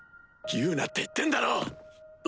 言うなって言ってんだろ！